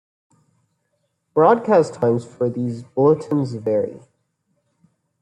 Broadcast times for these bulletins vary.